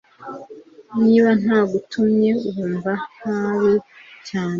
Niba ntagutumye wumva ntabi cyane